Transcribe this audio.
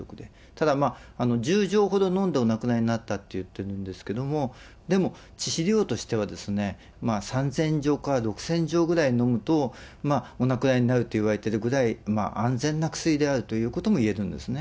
ただ１０錠ほど飲んでお亡くなりになったって言ってるんですけども、でも致死量としては、３０００錠から６０００錠ぐらい飲むと、お亡くなりになるといわれてるぐらい安全な薬であるということも言えるんですね。